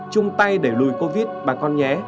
chung tay để lùi covid bà con nhé